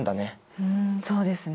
うんそうですね。